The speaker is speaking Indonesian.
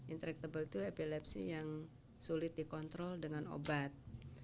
intractable itu epilepsi yang sulit dikontrol dengan obat